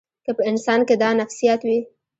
که په انسان کې دا نفسیات وي.